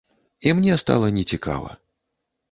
І мне стала нецікава.